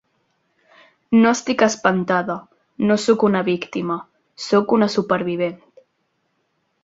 No estic espantada, no sóc una víctima, sóc una supervivent.